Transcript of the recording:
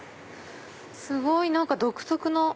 すごい！何か独特の。